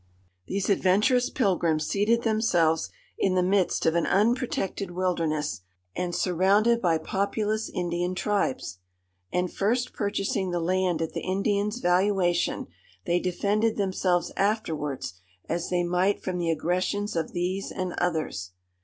These adventurous pilgrims seated themselves in the midst of an unprotected wilderness, and surrounded by populous Indian tribes; and, first purchasing the land at the Indians' valuation, they defended themselves afterwards as they might from the aggressions of these and others.